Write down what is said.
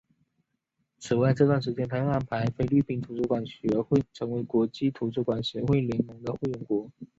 此外这段期间他又安排菲律宾图书馆学会成为国际图书馆协会联盟的会员国。